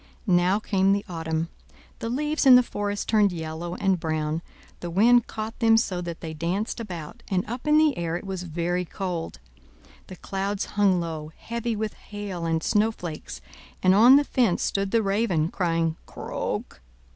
Now came the autumn. The leaves in the forest turned yellow and brown; the wind caught them so that they danced about, and up in the air it was very cold. The clouds hung low, heavy with hail and snowflakes, and on the fence stood the raven, crying, "Croak!